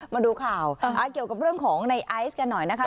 มาดูข่าวเกี่ยวกับเรื่องของในไอซ์กันหน่อยนะคะ